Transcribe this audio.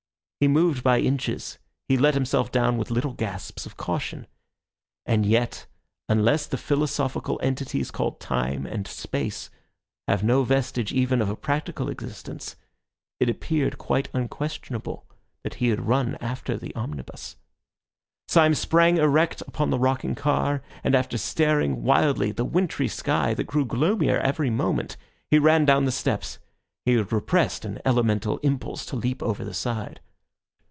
He moved by inches, he let himself down with little gasps of caution. And yet, unless the philosophical entities called time and space have no vestige even of a practical existence, it appeared quite unquestionable that he had run after the omnibus. Syme sprang erect upon the rocking car, and after staring wildly at the wintry sky, that grew gloomier every moment, he ran down the steps. He had repressed an elemental impulse to leap over the side.